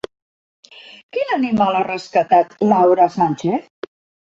Quin animal ha rescatat Laura Sánchez?